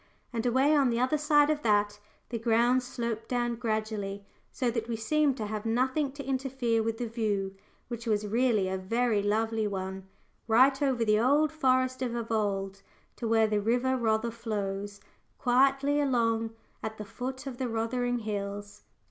And away on the other side of that, the ground sloped down gradually, so that we seemed to have nothing to interfere with the view, which was really a very lovely one right over the old Forest of Evold, to where the river Rother flows quietly along at the foot of the Rothering Hills.